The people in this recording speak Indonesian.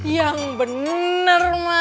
yang bener mas